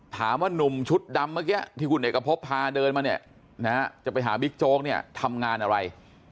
นุ่มชุดดำเมื่อกี้ที่คุณเอกพบพาเดินมาเนี่ยนะฮะจะไปหาบิ๊กโจ๊กเนี่ยทำงานอะไร